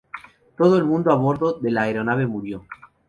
Todo el mundo a bordo de la aeronave murió.